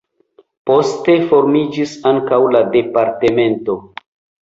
Poste formiĝis ankaŭ la departemento.